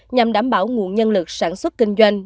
nhằm đảm bảo nguồn nhân lực sản xuất kinh doanh